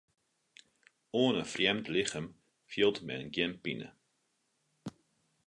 Oan in frjemd lichem fielt men gjin pine.